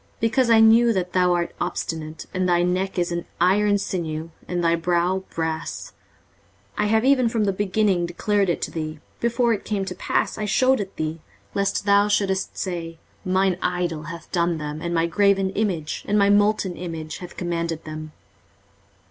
23:048:004 Because I knew that thou art obstinate, and thy neck is an iron sinew, and thy brow brass; 23:048:005 I have even from the beginning declared it to thee; before it came to pass I shewed it thee: lest thou shouldest say, Mine idol hath done them, and my graven image, and my molten image, hath commanded them.